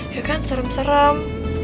ya kan serem serem